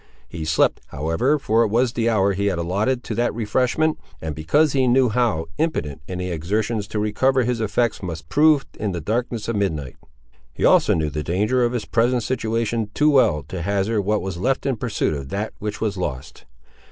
He slept, however, for it was the hour he had allotted to that refreshment, and because he knew how impotent any exertions to recover his effects must prove in the darkness of midnight. He also knew the danger of his present situation too well to hazard what was left in pursuit of that which was lost.